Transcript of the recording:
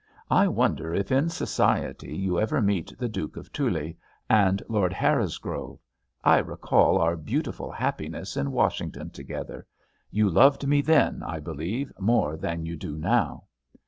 I wonder if in society you ever meet the Duke of Thule and Lord Harrisgrove. I recall our beautiful happiness in Washington together. You loved me then, I believe, more than you do now.